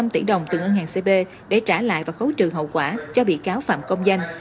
bốn năm trăm linh tỷ đồng từ ngân hàng cb để trả lại và khấu trừ hậu quả cho bị cáo phạm công danh